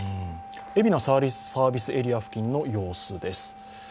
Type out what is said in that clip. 海老名サービスエリア付近の様子です。